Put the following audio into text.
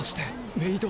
メイド。